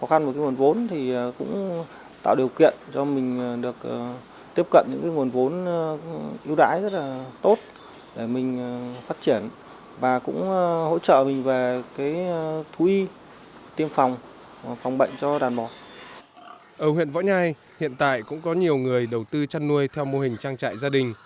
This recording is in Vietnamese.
ở huyện võ nhai hiện tại cũng có nhiều người đầu tư chăn nuôi theo mô hình trang trại gia đình